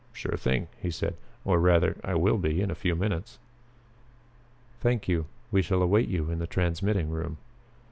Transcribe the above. "Sure thing," he said, "or rather, I will be in a few minutes." "Thank you. We shall await you in the transmitting room."